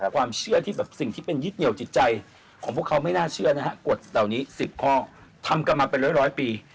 ความเชื่อที่แบบสิ่งที่เป็นยึดเหนียวจิตใจของพวกเขาไม่น่าเชื่อนะฮะกฎเหล่านี้๑๐ข้อทำกันมาเป็นร้อยปี